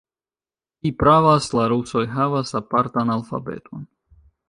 Vi pravas; la rusoj havas apartan alfabeton.